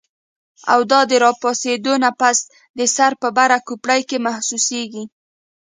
او دا د راپاسېدو نه پس د سر پۀ بره کوپړۍ کې محسوسيږي